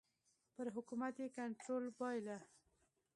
پر حکومت یې کنټرول بایله.